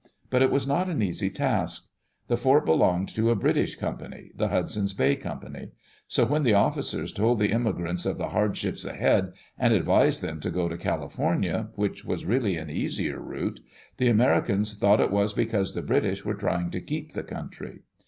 But it was not an easy task. The fort belonged to a British company — the Hudson's Bay Company. So when the officers told the immigrants of the hardships ahead, and advised them to go to California, which was really an easier route, the Americans thought it was because the British were trying to keep the country.